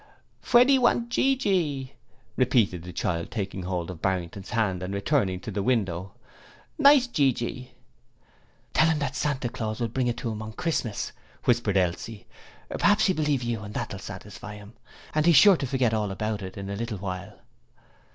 'Fweddie want gee gee,' repeated the child, taking hold of Barrington's hand and returning to the window. 'Nice gee gee.' 'Tell him that Santa Claus'll bring it to him on Christmas,' whispered Elsie. 'P'raps he'll believe you and that'll satisfy him, and he's sure to forget all about it in a little while.'